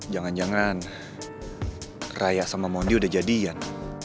jangan jangan raya sama mondi udah jadian